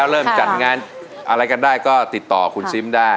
เริ่มจัดงานอะไรกันได้ก็ติดต่อคุณซิมได้